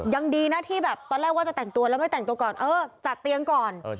ยังดีนะที่แบบตอนแรกว่าจะแต่งตัวแล้วไม่แต่งตัวก่อนเออจัดเตียงก่อน